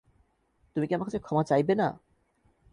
তুমি কি আমার কাছে ক্ষমা চাইবেনা?